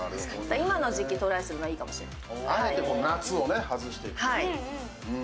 今の時期、トライするのはいいかもしれない。